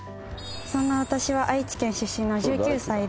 「そんな私は愛知県出身の１９歳で」